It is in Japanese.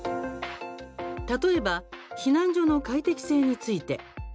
例えば避難所の快適性について。